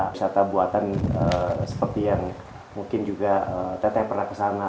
wisata buatan seperti yang mungkin juga teteh pernah kesana